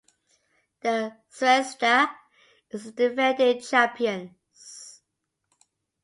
The Zvezda is the defending champions.